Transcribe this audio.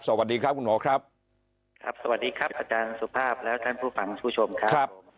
สวัสดีครับคุณหมอครับครับสวัสดีครับอาจารย์สุภาพและท่านผู้ฟังผู้ชมครับ